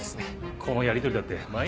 このやりとりだって毎日。